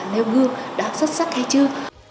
nêu gương đó xuất sắc hay chưa